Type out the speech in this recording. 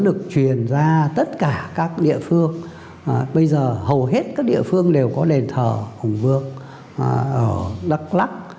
được truyền ra tất cả các địa phương bây giờ hầu hết các địa phương đều có đền thờ hùng vương ở đắk lắc